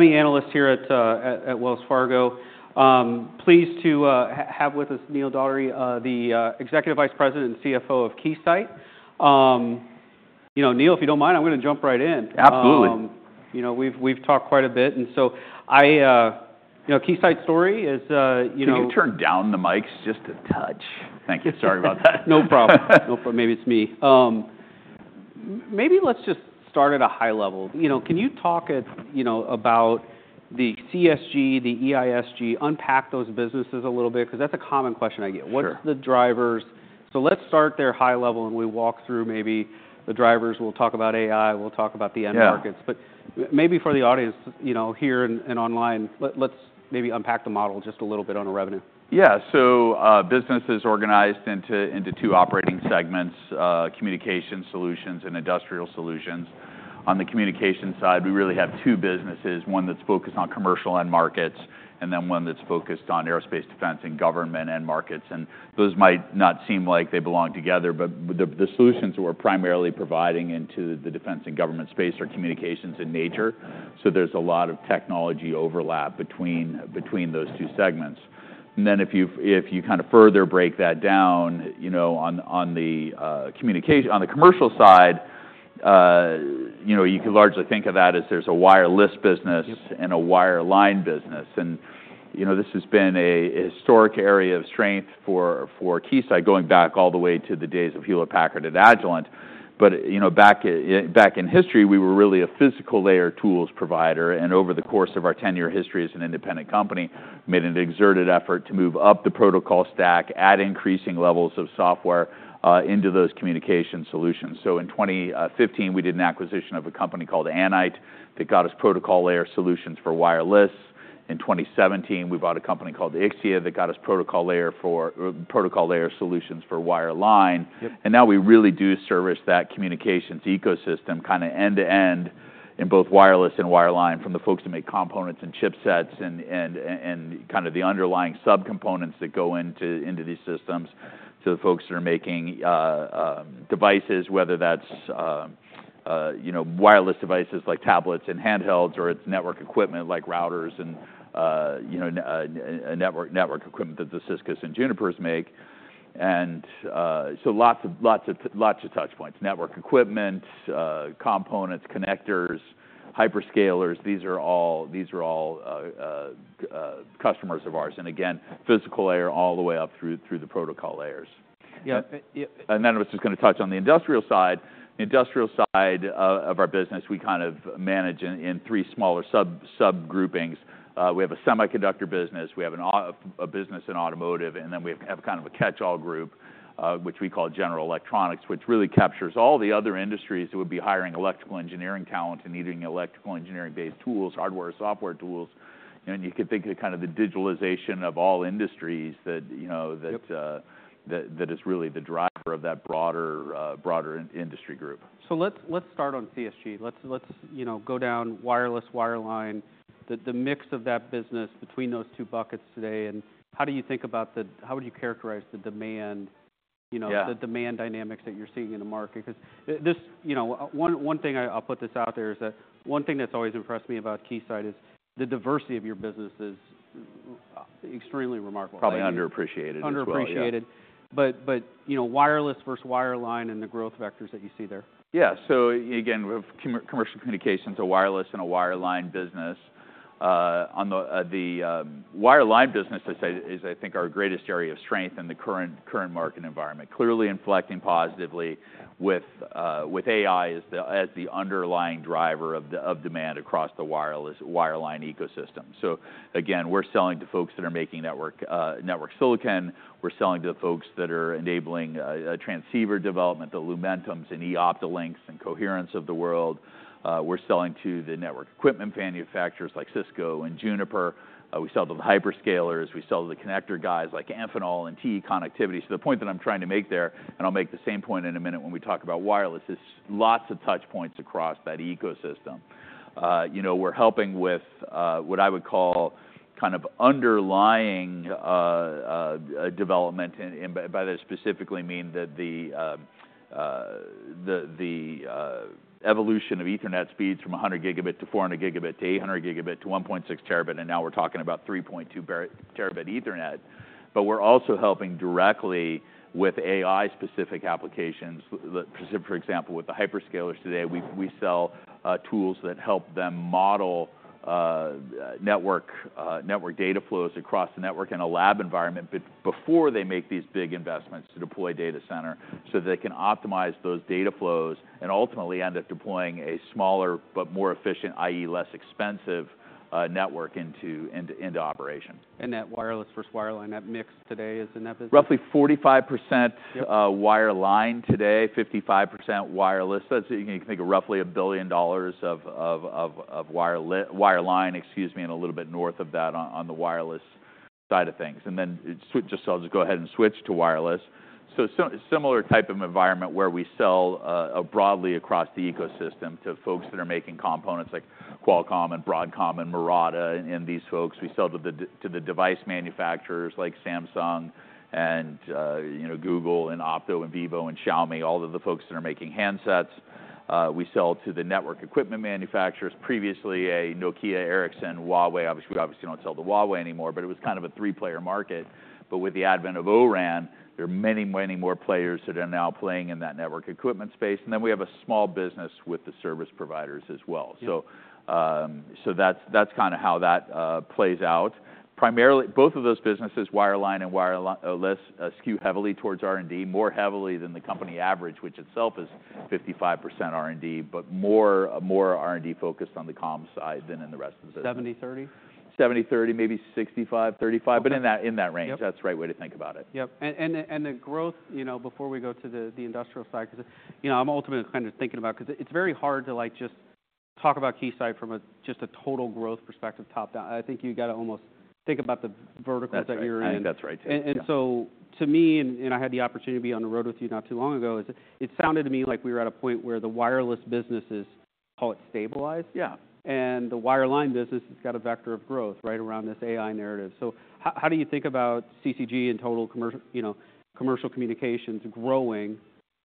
Analysts here at Wells Fargo. Pleased to have with us Neil Dougherty, the Executive Vice President and CFO of Keysight. Neil, if you don't mind, I'm going to jump right in. Absolutely. We've talked quite a bit, and so Keysight's story is... Could you turn down the mics just a touch? Thank you. Sorry about that. No problem. Maybe it's me. Maybe let's just start at a high level. Can you talk about the CSG, the EISG, unpack those businesses a little bit? Because that's a common question I get. What's the drivers? So let's start there high level, and we walk through maybe the drivers. We'll talk about AI, we'll talk about the end markets. But maybe for the audience here and online, let's maybe unpack the model just a little bit on revenue. Yeah. So business is organized into two operating segments: Communication Solutions and Industrial Solutions. On the communication side, we really have two businesses: one that's focused on commercial end markets, and then one that's focused on aerospace, defense, and government end markets. And those might not seem like they belong together, but the solutions that we're primarily providing into the defense and government space are communications in nature. So there's a lot of technology overlap between those two segments. And then if you kind of further break that down on the commercial side, you could largely think of that as there's a wireless business and a wireline business. And this has been a historic area of strength for Keysight, going back all the way to the days of Hewlett-Packard and Agilent. But back in history, we were really a physical layer tools provider. Over the course of our 10-year history as an independent company, we made an exerted effort to move up the protocol stack, add increasing levels of software into those Communication Solutions. In 2015, we did an acquisition of a company called Anite that got us protocol layer solutions for wireless. In 2017, we bought a company called Ixia that got us protocol layer solutions for wireline. Now we really do service that communications ecosystem kind of end to end in both wireless and wireline, from the folks who make components and chipsets and kind of the underlying subcomponents that go into these systems to the folks that are making devices, whether that's wireless devices like tablets and handhelds, or it's network equipment like routers and network equipment that the Ciscos and Junipers make. Lots of touch points: network equipment, components, connectors, hyperscalers. These are all customers of ours. And again, physical layer all the way up through the protocol layers. And then I was just going to touch on the industrial side. The industrial side of our business, we kind of manage in three smaller subgroupings. We have a semiconductor business, we have a business in automotive, and then we have kind of a catch-all group, which we call General Electronics, which really captures all the other industries that would be hiring electrical engineering talent and needing electrical engineering-based tools, hardware and software tools. And you could think of kind of the digitalization of all industries that is really the driver of that broader industry group. So let's start on CSG. Let's go down wireless, wireline, the mix of that business between those two buckets today. And how do you think about the, how would you characterize the demand dynamics that you're seeing in the market? Because one thing, I'll put this out there, is that one thing that's always impressed me about Keysight is the diversity of your business is extremely remarkable. Probably underappreciated. Underappreciated. But wireless versus wireline and the growth vectors that you see there. Yeah. So again, we have commercial communications, a wireless and a wireline business. The wireline business, I think, is our greatest area of strength in the current market environment, clearly inflecting positively with AI as the underlying driver of demand across the wireless wireline ecosystem. So again, we're selling to folks that are making network silicon. We're selling to the folks that are enabling transceiver development, the Lumentum, Eoptolink, and Coherent of the world. We're selling to the network equipment manufacturers like Cisco and Juniper. We sell to the hyperscalers. We sell to the connector guys like Amphenol and TE Connectivity. So the point that I'm trying to make there, and I'll make the same point in a minute when we talk about wireless, is lots of touch points across that ecosystem. We're helping with what I would call kind of underlying development. By that, I specifically mean that the evolution of Ethernet speeds from 100 gigabit to 400 gigabit to 800 gigabit to 1.6 terabit, and now we're talking about 3.2 terabit Ethernet. But we're also helping directly with AI-specific applications. For example, with the hyperscalers today, we sell tools that help them model network data flows across the network in a lab environment before they make these big investments to deploy data center so that they can optimize those data flows and ultimately end up deploying a smaller but more efficient, i.e., less expensive network into operation. That wireless versus wireline, that mix today is in that business? Roughly 45% wireline today, 55% wireless. You can think of roughly $1 billion of wireline, excuse me, and a little bit north of that on the wireless side of things, and then just go ahead and switch to wireless. So similar type of environment where we sell broadly across the ecosystem to folks that are making components like Qualcomm and Broadcom and Murata and these folks. We sell to the device manufacturers like Samsung and Google and OPPO and Vivo and Xiaomi, all of the folks that are making handsets. We sell to the network equipment manufacturers, previously to Nokia, Ericsson, Huawei. Obviously, we don't sell to Huawei anymore, but it was kind of a three-player market. But with the advent of O-RAN, there are many, many more players that are now playing in that network equipment space. And then we have a small business with the service providers as well. So that's kind of how that plays out. Primarily, both of those businesses, wireline and wireless, skew heavily towards R&D, more heavily than the company average, which itself is 55% R&D, but more R&D focused on the comms side than in the rest of the business. 70/30? 70/30, maybe 65/35, but in that range. That's the right way to think about it. Yep, and the growth, before we go to the industrial side, because I'm ultimately kind of thinking about, because it's very hard to just talk about Keysight from just a total growth perspective, top down. I think you got to almost think about the verticals that you're in. That's right. And so, to me, and I had the opportunity to be on the road with you not too long ago, it sounded to me like we were at a point where the wireless businesses, call it, stabilized, and the wireline business has got a vector of growth right around this AI narrative. So, how do you think about CSG and total commercial communications growing,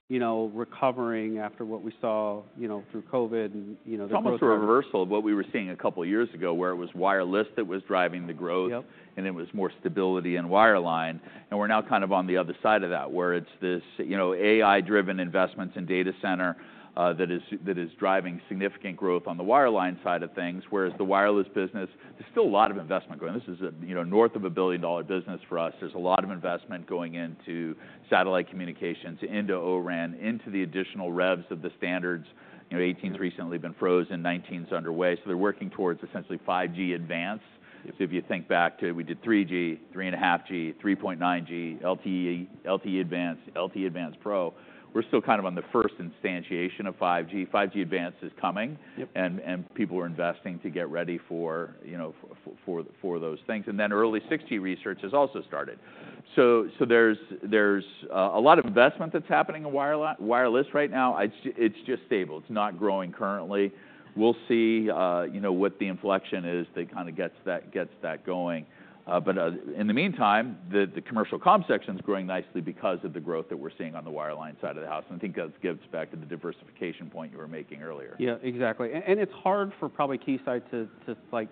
recovering after what we saw through COVID? It's almost a reversal of what we were seeing a couple of years ago, where it was wireless that was driving the growth, and it was more stability and wireline. And we're now kind of on the other side of that, where it's this AI-driven investments in data center that is driving significant growth on the wireline side of things, whereas the wireless business, there's still a lot of investment going. This is a north of a $1 billion business for us. There's a lot of investment going into satellite communications, into O-RAN, into the additional revs of the standards. 18's recently been frozen, 19's underway. So they're working towards essentially 5G Advanced. So if you think back to, we did 3G, 3.5G, 3.9G, LTE Advanced, LTE Advanced Pro. We're still kind of on the first instantiation of 5G. 5G Advanced is coming, and people are investing to get ready for those things, and then early 6G research has also started, so there's a lot of investment that's happening in wireless right now. It's just stable. It's not growing currently. We'll see what the inflection is that kind of gets that going, but in the meantime, the commercial comms section's growing nicely because of the growth that we're seeing on the wireline side of the house, and I think that gets back to the diversification point you were making earlier. Yeah, exactly. And it's hard for probably Keysight to, like,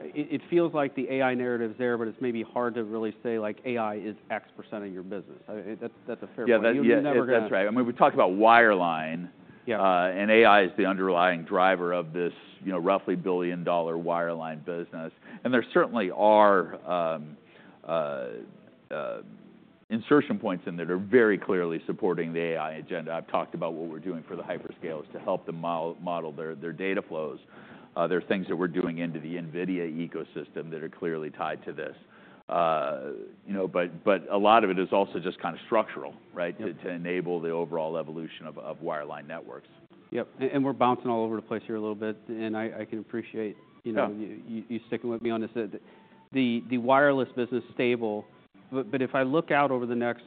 it feels like the AI narrative's there, but it's maybe hard to really say, like, AI is X% of your business. That's a fair point. Yeah, that's right. I mean, we talk about wireline, and AI is the underlying driver of this roughly $1 billion wireline business. And there certainly are insertion points in there that are very clearly supporting the AI agenda. I've talked about what we're doing for the hyperscalers to help them model their data flows. There are things that we're doing into the NVIDIA ecosystem that are clearly tied to this. But a lot of it is also just kind of structural, right, to enable the overall evolution of wireline networks. Yep. And we're bouncing all over the place here a little bit, and I can appreciate you sticking with me on this. The wireless business is stable. But if I look out over the next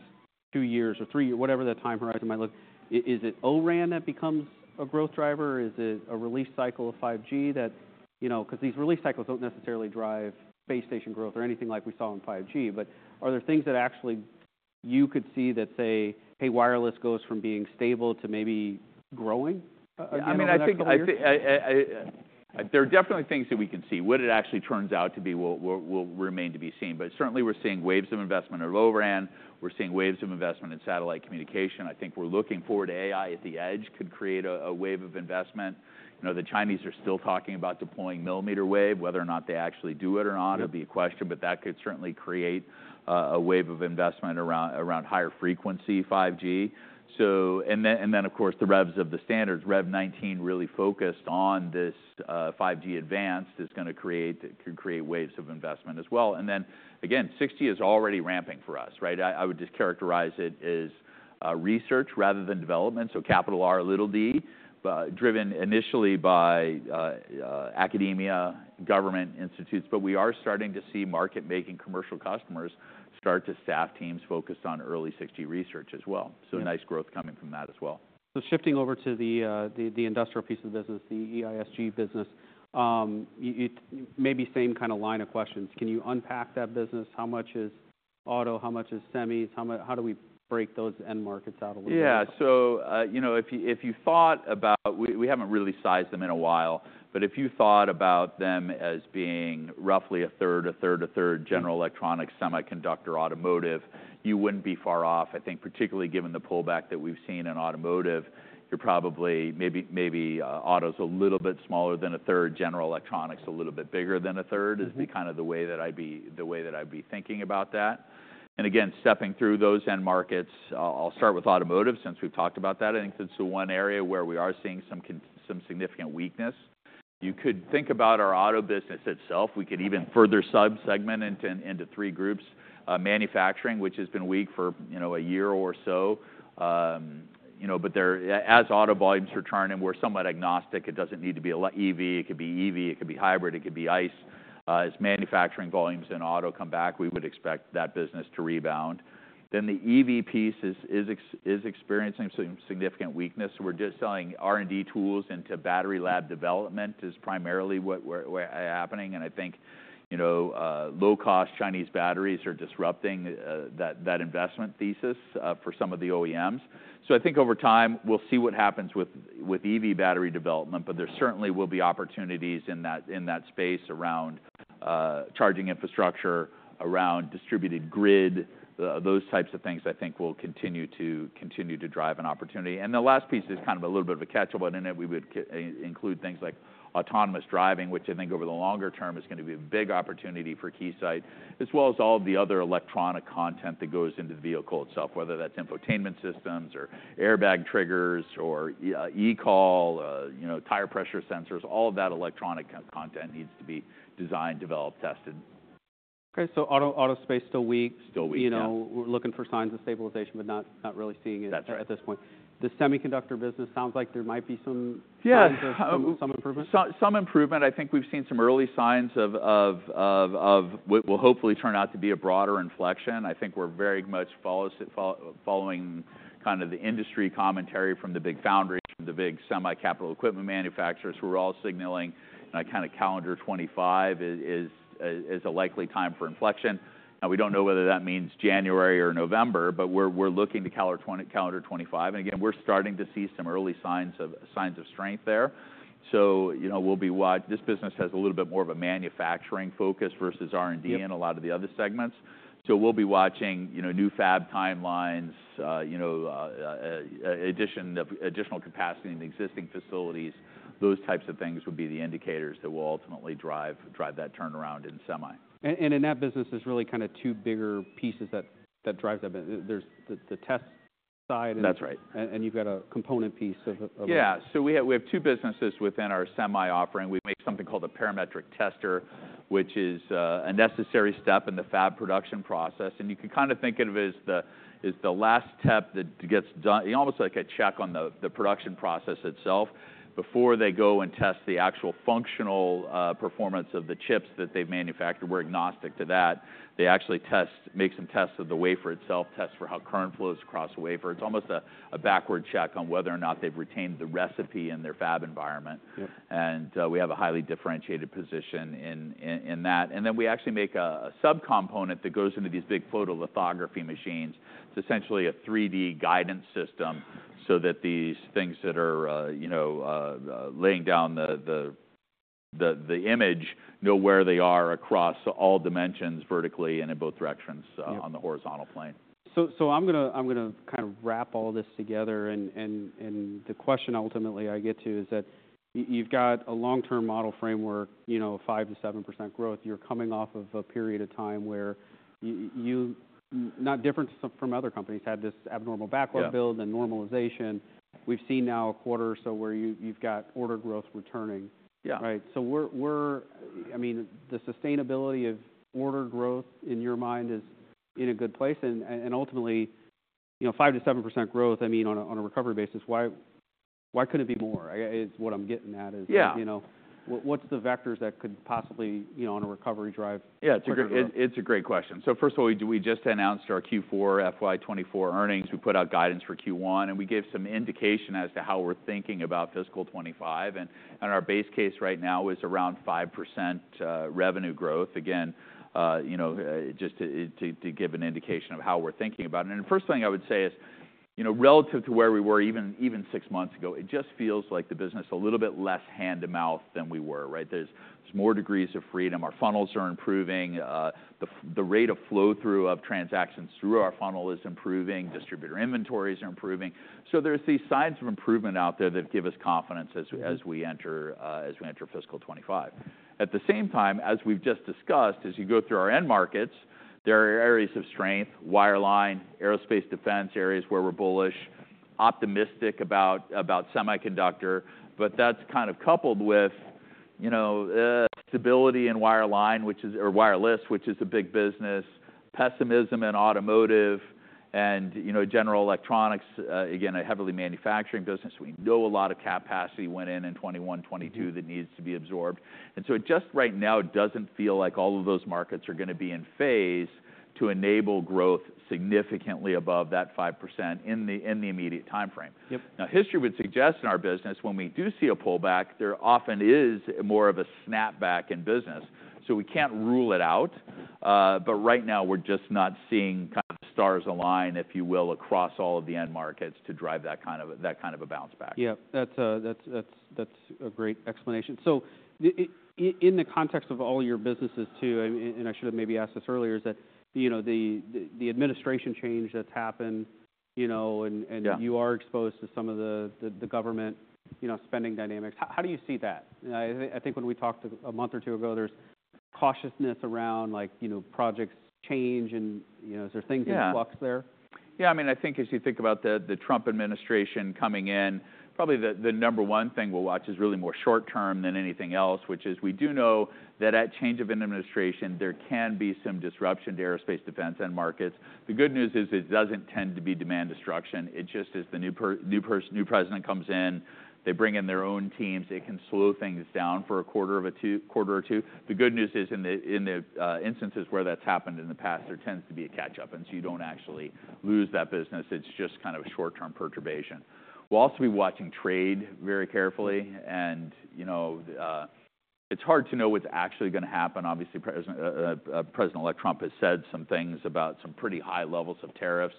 two years or three years, whatever that time horizon might look, is it O-RAN that becomes a growth driver? Is it a release cycle of 5G? Because these release cycles don't necessarily drive base station growth or anything like we saw in 5G. But are there things that actually you could see that say, hey, wireless goes from being stable to maybe growing? I mean, I think there are definitely things that we could see. What it actually turns out to be will remain to be seen. But certainly, we're seeing waves of investment in O-RAN. We're seeing waves of investment in satellite communication. I think we're looking forward to AI at the edge could create a wave of investment. The Chinese are still talking about deploying millimeter wave. Whether or not they actually do it or not will be a question. But that could certainly create a wave of investment around higher frequency 5G. And then, of course, the revs of the standards. Rev 19 really focused on this 5G advanced that's going to create waves of investment as well. And then, again, 6G is already ramping for us. I would just characterize it as research rather than development. So capital R, little d, driven initially by academia, government institutes. But we are starting to see market-making commercial customers start to staff teams focused on early 6G research as well. So nice growth coming from that as well. Shifting over to the industrial piece of the business, the EISG business, maybe same kind of line of questions. Can you unpack that business? How much is auto? How much is semis? How do we break those end markets out a little bit? Yeah. So if you thought about it, we haven't really sized them in a while, but if you thought about them as being roughly a third, a third, a third: general electronics, semiconductor, automotive, you wouldn't be far off. I think, particularly given the pullback that we've seen in automotive, you're probably maybe auto's a little bit smaller than a third, general electronics a little bit bigger than a third is kind of the way that I'd be thinking about that. And again, stepping through those end markets, I'll start with automotive since we've talked about that. I think that's the one area where we are seeing some significant weakness. You could think about our auto business itself. We could even further subsegment into three groups: manufacturing, which has been weak for a year or so, but as auto volumes are turning, we're somewhat agnostic. It doesn't need to be EV. It could be EV. It could be hybrid. It could be ICE. As manufacturing volumes in auto come back, we would expect that business to rebound. Then the EV piece is experiencing some significant weakness. We're just selling R&D tools into battery lab development, is primarily what's happening. And I think low-cost Chinese batteries are disrupting that investment thesis for some of the OEMs. So I think over time, we'll see what happens with EV battery development, but there certainly will be opportunities in that space around charging infrastructure, around distributed grid, those types of things I think will continue to drive an opportunity. The last piece is kind of a little bit of a catch-all, but in it, we would include things like autonomous driving, which I think over the longer term is going to be a big opportunity for Keysight, as well as all of the other electronic content that goes into the vehicle itself, whether that's infotainment systems or airbag triggers or eCall, tire pressure sensors. All of that electronic content needs to be designed, developed, tested. Okay. So aerospace still weak. Still weak. We're looking for signs of stabilization, but not really seeing it at this point. The semiconductor business, sounds like there might be some improvement? Yeah. Some improvement. I think we've seen some early signs of what will hopefully turn out to be a broader inflection. I think we're very much following kind of the industry commentary from the big foundry, the big semi-capital equipment manufacturers who are all signaling, you know, kind of calendar 2025 is a likely time for inflection. Now, we don't know whether that means January or November, but we're looking to calendar 2025. And again, we're starting to see some early signs of strength there. So we'll be watching. This business has a little bit more of a manufacturing focus versus R&D in a lot of the other segments. So we'll be watching new fab timelines, additional capacity in existing facilities. Those types of things would be the indicators that will ultimately drive that turnaround in semi. And in that business, there's really kind of two bigger pieces that drive that. There's the test side. That's right. You've got a component piece of it. Yeah. So we have two businesses within our semi offering. We make something called a parametric tester, which is a necessary step in the fab production process. And you can kind of think of it as the last step that gets done, almost like a check on the production process itself. Before they go and test the actual functional performance of the chips that they've manufactured, we're agnostic to that. They actually make some tests of the wafer itself, tests for how current flows across the wafer. It's almost a backward check on whether or not they've retained the recipe in their fab environment. And we have a highly differentiated position in that. And then we actually make a subcomponent that goes into these big photolithography machines. It's essentially a 3D guidance system so that these things that are laying down the image know where they are across all dimensions vertically and in both directions on the horizontal plane. I'm going to kind of wrap all this together. The question ultimately I get to is that you've got a long-term model framework, 5%-7% growth. You're coming off of a period of time where you, not different from other companies, had this abnormal backlog build and normalization. We've seen now a quarter or so where you've got order growth returning. Yeah. Right? So I mean, the sustainability of order growth in your mind is in a good place, and ultimately, 5%-7% growth, I mean, on a recovery basis, why couldn't it be more? Is what I'm getting at. Yeah. What's the vectors that could possibly on a recovery drive? Yeah. It's a great question. So first of all, we just announced our Q4 FY24 earnings. We put out guidance for Q1, and we gave some indication as to how we're thinking about fiscal 2025. And our base case right now is around 5% revenue growth. Again, just to give an indication of how we're thinking about it. And the first thing I would say is relative to where we were even six months ago, it just feels like the business is a little bit less hand-to-mouth than we were, right? There's more degrees of freedom. Our funnels are improving. The rate of flow-through of transactions through our funnel is improving. Distributor inventories are improving. So there's these signs of improvement out there that give us confidence as we enter fiscal 2025. At the same time, as we've just discussed, as you go through our end markets, there are areas of strength: wireline, aerospace defense, areas where we're bullish, optimistic about semiconductor. But that's kind of coupled with stability in wireline, which is, or wireless, which is a big business, pessimism in automotive, and general electronics, again, a heavily manufacturing business. We know a lot of capacity went in in 2021, 2022 that needs to be absorbed. And so it just right now doesn't feel like all of those markets are going to be in phase to enable growth significantly above that 5% in the immediate timeframe. Now, history would suggest in our business, when we do see a pullback, there often is more of a snapback in business. So we can't rule it out. But right now, we're just not seeing kind of the stars align, if you will, across all of the end markets to drive that kind of a bounce back. Yeah. That's a great explanation. So in the context of all your businesses too, and I should have maybe asked this earlier, is that the administration change that's happened and you are exposed to some of the government spending dynamics, how do you see that? I think when we talked a month or two ago, there's cautiousness around projects change, and is there things in flux there? Yeah. I mean, I think as you think about the Trump administration coming in, probably the number one thing we'll watch is really more short-term than anything else, which is we do know that at change of administration, there can be some disruption to aerospace defense end markets. The good news is it doesn't tend to be demand destruction. It just is the new president comes in, they bring in their own teams, it can slow things down for a quarter or two. The good news is in the instances where that's happened in the past, there tends to be a catch-up, and so you don't actually lose that business. It's just kind of a short-term perturbation. We'll also be watching trade very carefully, and it's hard to know what's actually going to happen. Obviously, President-elect Trump has said some things about some pretty high levels of tariffs.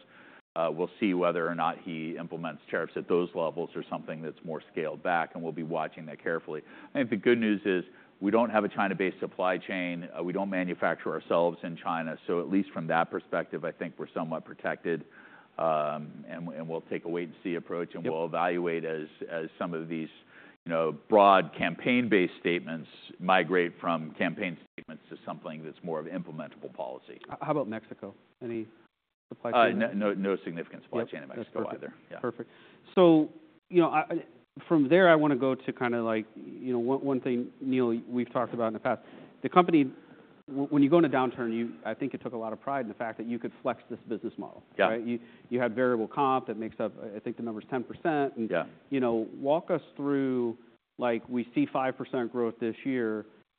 We'll see whether or not he implements tariffs at those levels or something that's more scaled back, and we'll be watching that carefully. I think the good news is we don't have a China-based supply chain. We don't manufacture ourselves in China. So at least from that perspective, I think we're somewhat protected, and we'll take a wait-and-see approach, and we'll evaluate as some of these broad campaign-based statements migrate from campaign statements to something that's more of implementable policy. How about Mexico? Any supply chain? No significant supply chain in Mexico either. Yeah. Perfect. So from there, I want to go to kind of like one thing, Neil, we've talked about in the past. The company, when you go into downturn, I think it took a lot of pride in the fact that you could flex this business model, right? You had variable comp that makes up, I think the number is 10%. Walk us through, we see 5% growth this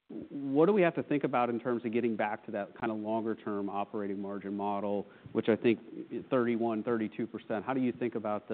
year. What do we have to think about in terms of getting back to that kind of longer-term operating margin model, which I think 31%-32%? How do you think about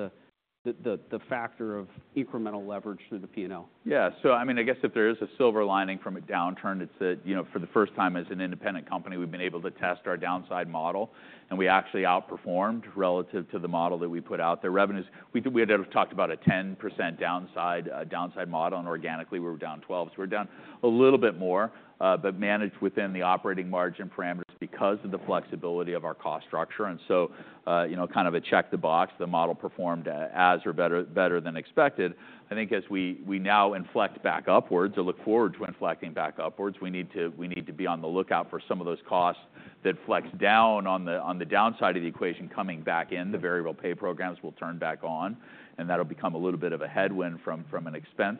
the factor of incremental leverage through the P&L? Yeah. So I mean, I guess if there is a silver lining from a downturn, it's that for the first time as an independent company, we've been able to test our downside model, and we actually outperformed relative to the model that we put out there. Revenues, we had talked about a 10% downside model and organically we were down 12%. So we're down a little bit more, but managed within the operating margin parameters because of the flexibility of our cost structure. And so kind of a check-the-box, the model performed as or better than expected. I think as we now inflect back upwards or look forward to inflecting back upwards, we need to be on the lookout for some of those costs that flex down on the downside of the equation coming back in. The variable pay programs will turn back on, and that'll become a little bit of a headwind from an expense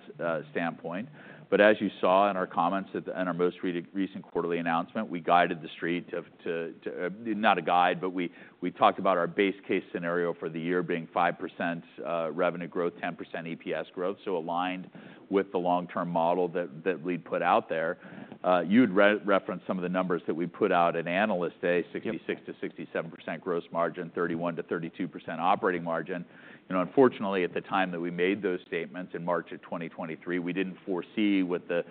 standpoint. But as you saw in our comments and our most recent quarterly announcement, we guided the street to not a guide, but we talked about our base case scenario for the year being 5% revenue growth, 10% EPS growth. So aligned with the long-term model that we put out there. You had referenced some of the numbers that we put out at Analyst Day, 66%-67% gross margin, 31%-32% operating margin. And unfortunately, at the time that we made those statements in March of 2023, we didn't foresee what the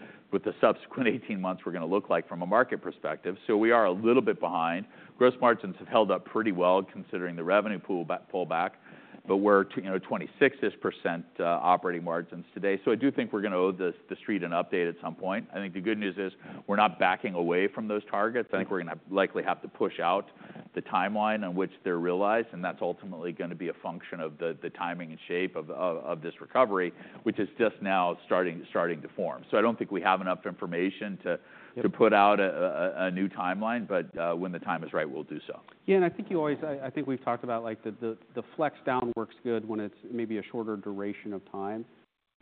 subsequent 18 months were going to look like from a market perspective. So we are a little bit behind. Gross margins have held up pretty well considering the revenue pullback, but we're 26% operating margins today. So I do think we're going to owe the street an update at some point. I think the good news is we're not backing away from those targets. I think we're going to likely have to push out the timeline on which they're realized, and that's ultimately going to be a function of the timing and shape of this recovery, which is just now starting to form. So I don't think we have enough information to put out a new timeline, but when the time is right, we'll do so. Yeah, and I think you always, I think we've talked about the flex down works good when it's maybe a shorter duration of time,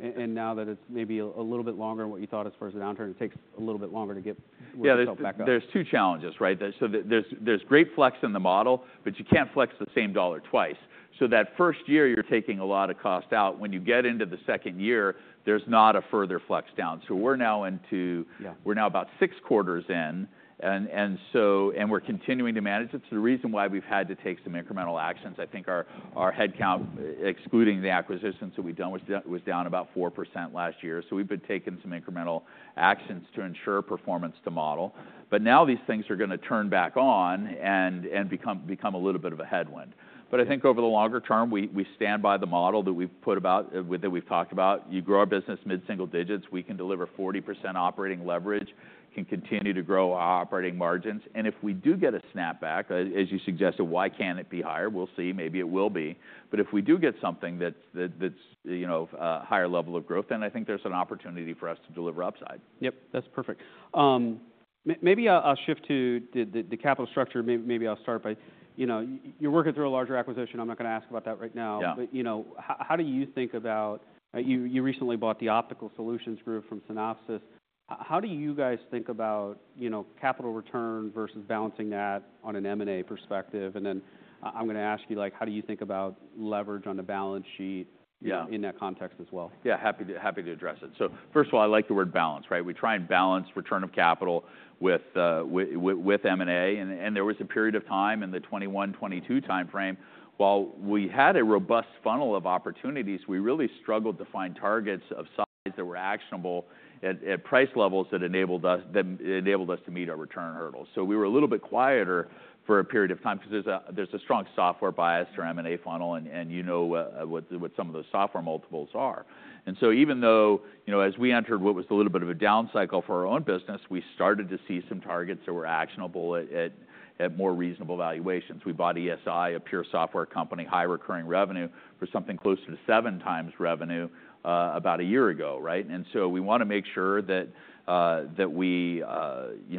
and now that it's maybe a little bit longer than what you thought as far as a downturn, it takes a little bit longer to get back up. Yeah. There's two challenges, right? So there's great flex in the model, but you can't flex the same dollar twice. So that first year, you're taking a lot of cost out. When you get into the second year, there's not a further flex down. So we're now about six quarters in, and we're continuing to manage it. So the reason why we've had to take some incremental actions, I think our headcount, excluding the acquisitions that we've done, was down about 4% last year. So we've been taking some incremental actions to ensure performance to model. But now these things are going to turn back on and become a little bit of a headwind. But I think over the longer term, we stand by the model that we've put about, that we've talked about. You grow our business mid-single digits, we can deliver 40% operating leverage, can continue to grow our operating margins, and if we do get a snapback, as you suggested, why can't it be higher? We'll see. Maybe it will be, but if we do get something that's a higher level of growth, then I think there's an opportunity for us to deliver upside. Yep. That's perfect. Maybe I'll shift to the capital structure. Maybe I'll start by you're working through a larger acquisition. I'm not going to ask about that right now. But how do you think about you recently bought the Optical Solutions Group from Synopsys? How do you guys think about capital return versus balancing that on an M&A perspective? And then I'm going to ask you, how do you think about leverage on the balance sheet in that context as well? Yeah. Happy to address it. So first of all, I like the word balance, right? We try and balance return of capital with M&A. And there was a period of time in the 2021, 2022 timeframe, while we had a robust funnel of opportunities, we really struggled to find targets of size that were actionable at price levels that enabled us to meet our return hurdles. So we were a little bit quieter for a period of time because there's a strong software bias to our M&A funnel, and you know what some of those software multiples are. And so even though as we entered what was a little bit of a down cycle for our own business, we started to see some targets that were actionable at more reasonable valuations. We bought ESI, a pure software company, high recurring revenue for something closer to seven times revenue about a year ago, right? And so we want to make sure that we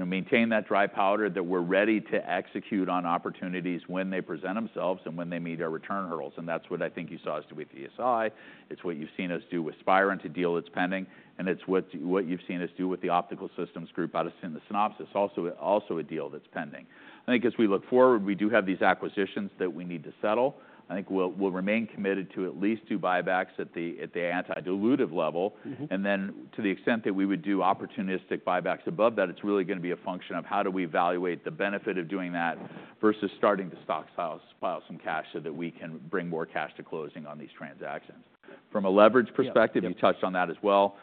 maintain that dry powder, that we're ready to execute on opportunities when they present themselves and when they meet our return hurdles. And that's what I think you saw us do with ESI. It's what you've seen us do with Spirent, a deal that's pending. And it's what you've seen us do with the Optical Solutions Group out of Synopsys, also a deal that's pending. I think as we look forward, we do have these acquisitions that we need to settle. I think we'll remain committed to at least two buybacks at the anti-dilutive level. And then to the extent that we would do opportunistic buybacks above that, it's really going to be a function of how do we evaluate the benefit of doing that versus starting to stockpile some cash so that we can bring more cash to closing on these transactions. From a leverage perspective, you touched on that as well.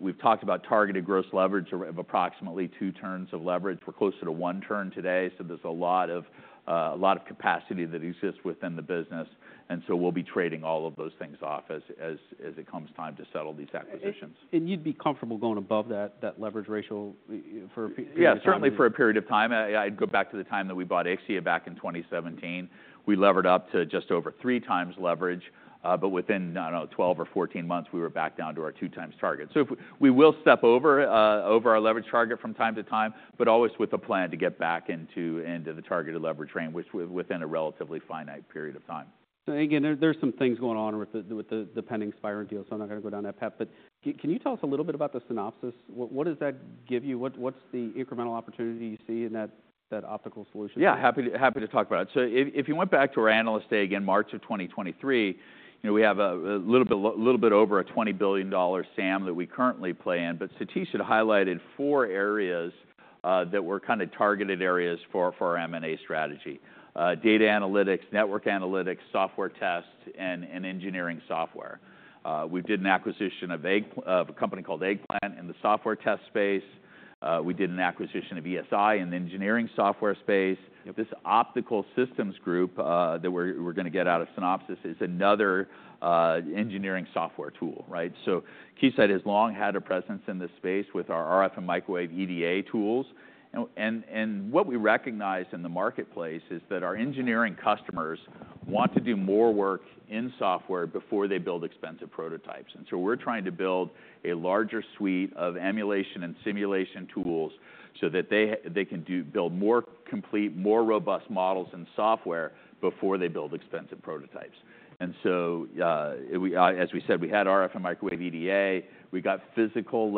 We've talked about targeted gross leverage of approximately two turns of leverage. We're closer to one turn today. So there's a lot of capacity that exists within the business. And so we'll be trading all of those things off as it comes time to settle these acquisitions. You'd be comfortable going above that leverage ratio for a period of time? Yeah. Certainly for a period of time. I'd go back to the time that we bought Ixia back in 2017. We levered up to just over three times leverage. But within, I don't know, 12 or 14 months, we were back down to our two-times target. So we will step over our leverage target from time to time, but always with a plan to get back into the targeted leverage range within a relatively finite period of time. So again, there's some things going on with the pending Spirent deal, so I'm not going to go down that path. But can you tell us a little bit about the Synopsys? What does that give you? What's the incremental opportunity you see in that Optical Solutions? Yeah. Happy to talk about it. So if you went back to our Analyst Day again, March of 2023, we have a little bit over a $20 billion SAM that we currently play in. But Satish had highlighted four areas that were kind of targeted areas for our M&A strategy: data analytics, network analytics, software tests, and engineering software. We did an acquisition of a company called Eggplant in the software test space. We did an acquisition of ESI in the engineering software space. This Optical Solutions Group that we're going to get out of Synopsys is another engineering software tool, right? So Keysight has long had a presence in this space with our RF and microwave EDA tools. And what we recognize in the marketplace is that our engineering customers want to do more work in software before they build expensive prototypes. And so we're trying to build a larger suite of emulation and simulation tools so that they can build more complete, more robust models and software before they build expensive prototypes. And so as we said, we had RF and microwave EDA. We got physical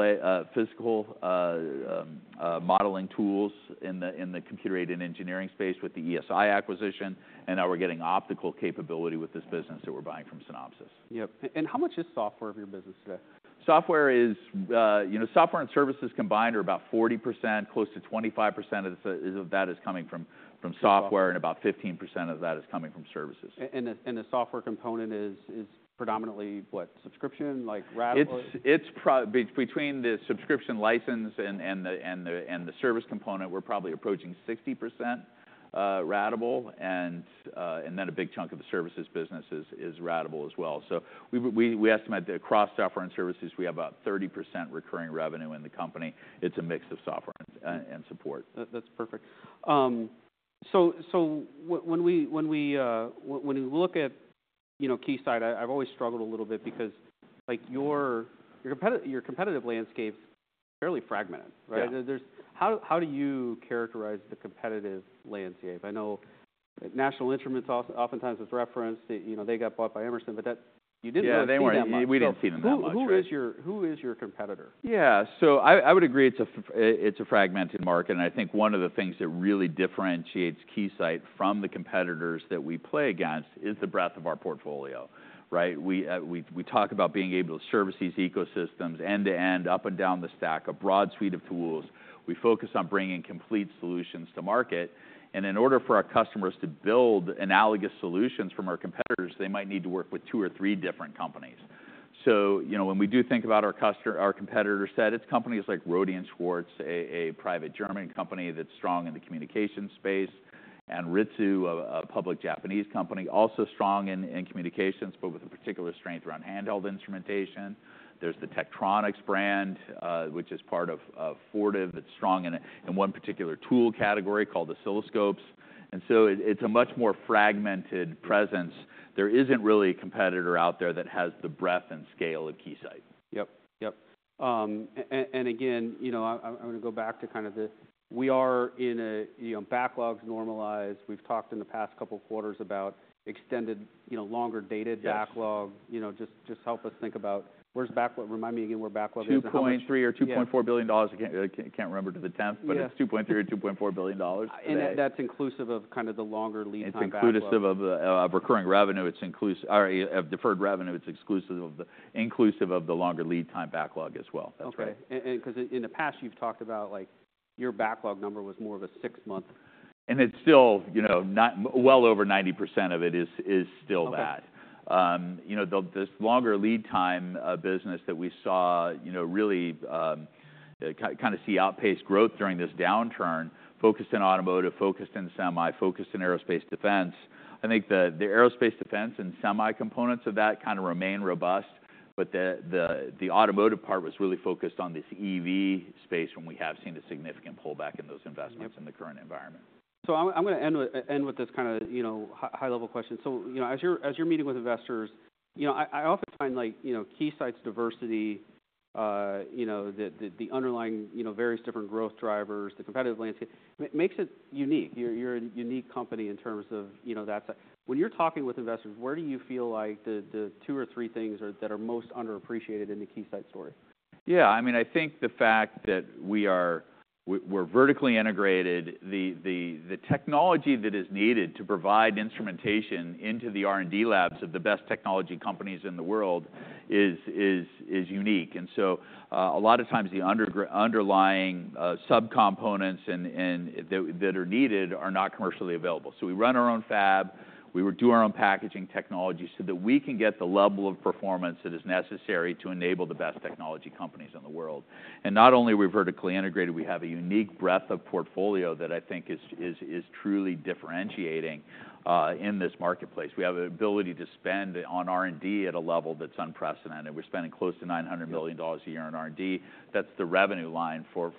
modeling tools in the computer-aided engineering space with the ESI acquisition. And now we're getting optical capability with this business that we're buying from Synopsys. Yep. And how much is software of your business today? Software and services combined are about 40%. Close to 25% of that is coming from software, and about 15% of that is coming from services. The software component is predominantly what, subscription, like SaaS-able? It's between the subscription license and the service component. We're probably approaching 60% ratable, and then a big chunk of the services business is ratable as well. So we estimate that across software and services, we have about 30% recurring revenue in the company. It's a mix of software and support. That's perfect. So when we look at Keysight, I've always struggled a little bit because your competitive landscape is fairly fragmented, right? How do you characterize the competitive landscape? I know National Instruments oftentimes is referenced. They got bought by Emerson, but you didn't see them that much. Yeah. They weren't. We didn't see them that much. Who is your competitor? Yeah. So I would agree it's a fragmented market. And I think one of the things that really differentiates Keysight from the competitors that we play against is the breadth of our portfolio, right? We talk about being able to service these ecosystems end-to-end, up and down the stack, a broad suite of tools. We focus on bringing complete solutions to market. And in order for our customers to build analogous solutions from our competitors, they might need to work with two or three different companies. So when we do think about our competitor set, it's companies like Rohde & Schwarz, a private German company that's strong in the communications space, and Anritsu, a public Japanese company, also strong in communications, but with a particular strength around handheld instrumentation. There's the Tektronix brand, which is part of Fortive. It's strong in one particular tool category called oscilloscopes. It's a much more fragmented presence. There isn't really a competitor out there that has the breadth and scale of Keysight. Yep. Yep. And again, I'm going to go back to kind of the we are in a backlog's normalized. We've talked in the past couple of quarters about extended, longer-dated backlog. Just help us think about where's backlog. Remind me again where backlog is. $2.3 billion or $2.4 billion. I can't remember to the tenth, but it's $2.3 billion or $2.4 billion. And that's inclusive of kind of the longer lead time backlog? It's inclusive of recurring revenue. It's inclusive of deferred revenue. It's inclusive of the longer lead time backlog as well. That's right. Okay, and because in the past, you've talked about your backlog number was more of a six-month. It's still well over 90% of it is still that. This longer lead time business that we saw really kind of outpaced growth during this downturn, focused in automotive, focused in semi, focused in aerospace and defense. I think the aerospace and defense and semi components of that kind of remain robust, but the automotive part was really focused on this EV space when we have seen a significant pullback in those investments in the current environment. I'm going to end with this kind of high-level question. As you're meeting with investors, I often find Keysight's diversity, the underlying various different growth drivers, the competitive landscape, makes it unique. You're a unique company in terms of that side. When you're talking with investors, where do you feel like the two or three things that are most underappreciated in the Keysight story? Yeah. I mean, I think the fact that we're vertically integrated, the technology that is needed to provide instrumentation into the R&D labs of the best technology companies in the world, is unique. And so a lot of times, the underlying subcomponents that are needed are not commercially available, so we run our own fab. We do our own packaging technology so that we can get the level of performance that is necessary to enable the best technology companies in the world. And not only are we vertically integrated, we have a unique breadth of portfolio that I think is truly differentiating in this marketplace. We have an ability to spend on R&D at a level that's unprecedented. We're spending close to $900 million a year on R&D. That's the revenue line, or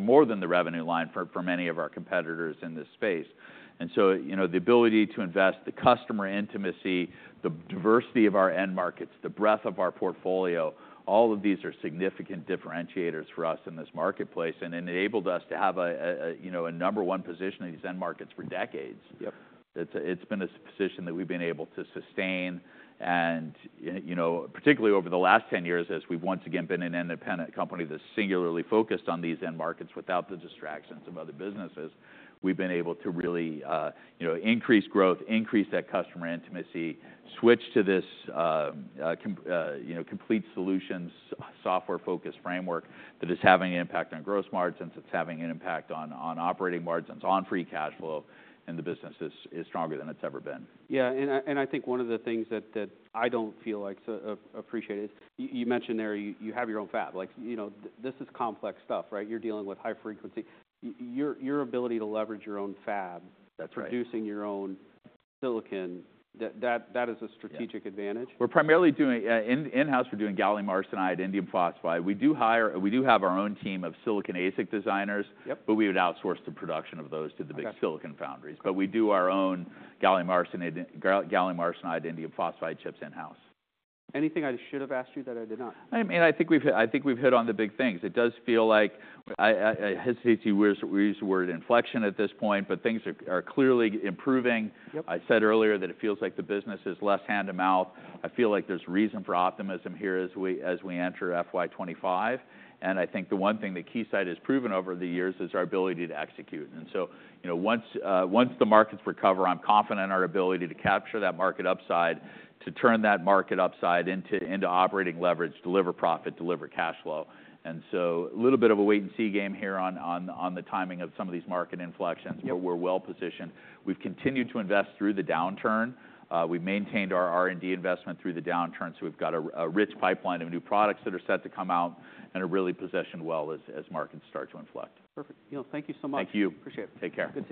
more than the revenue line for many of our competitors in this space. And so the ability to invest, the customer intimacy, the diversity of our end markets, the breadth of our portfolio, all of these are significant differentiators for us in this marketplace and enabled us to have a number one position in these end markets for decades. It's been a position that we've been able to sustain. And particularly over the last 10 years, as we've once again been an independent company that's singularly focused on these end markets without the distractions of other businesses, we've been able to really increase growth, increase that customer intimacy, switch to this complete solutions software-focused framework that is having an impact on gross margins, it's having an impact on operating margins, on free cash flow, and the business is stronger than it's ever been. Yeah, and I think one of the things that I don't feel is appreciated is, you mentioned there you have your own fab. This is complex stuff, right? You're dealing with high frequency. Your ability to leverage your own fab, producing your own silicon, that is a strategic advantage? We're primarily doing in-house. We're doing Gallium arsenide, indium phosphide. We do have our own team of Silicon ASIC designers, but we would outsource the production of those to the big silicon foundries. But we do our own Gallium arsenide, indium phosphide chips in-house. Anything I should have asked you that I did not? I mean, I think we've hit on the big things. It does feel like I hesitate to use the word inflection at this point, but things are clearly improving. I said earlier that it feels like the business is less hand-to-mouth. I feel like there's reason for optimism here as we enter FY25, and I think the one thing that Keysight has proven over the years is our ability to execute, and so once the markets recover, I'm confident in our ability to capture that market upside, to turn that market upside into operating leverage, deliver profit, deliver cash flow, and so a little bit of a wait-and-see game here on the timing of some of these market inflections, but we're well positioned. We've continued to invest through the downturn. We've maintained our R&D investment through the downturn. So we've got a rich pipeline of new products that are set to come out and are really positioned well as markets start to inflect. Perfect. Thank you so much. Thank you. Appreciate it. Take care.